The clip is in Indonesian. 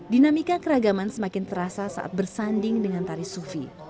dinamika keragaman semakin terasa saat bersanding dengan tari sufi